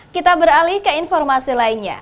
kita beralih ke informasi lainnya